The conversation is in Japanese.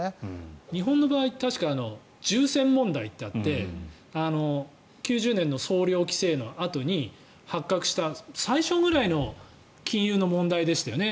日本の場合住専問題ってあって９０年の総量規制のあとに発覚した最初ぐらいの金融の問題でしたよね。